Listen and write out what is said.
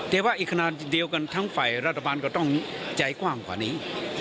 แต่ว่าอีกขนาดเดียวกันทั้งฝ่ายรัฐบาลก็ต้องใจกว้างกว่านี้